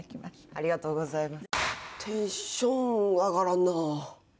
ありがとうございます。